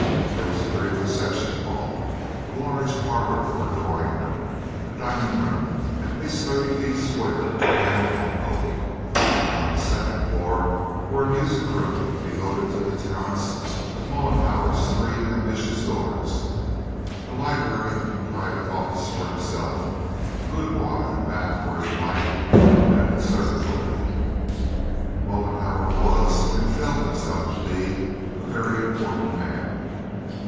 There was a great reception hall, a large parlor or drawing room, a dining room at least thirty feet square paneled in oak; and on the second floor were a music room devoted to the talents of Mollenhauer's three ambitious daughters, a library and private office for himself, a boudoir and bath for his wife, and a conservatory. Mollenhauer was, and felt himself to be, a very important man.